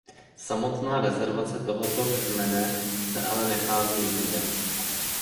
Samotná rezervace tohoto kmene se ale nachází i jinde.